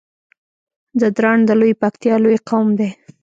ځدراڼ د لويې پکتيا لوی قوم دی